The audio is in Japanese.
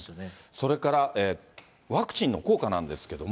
それからワクチンの効果なんですけれども。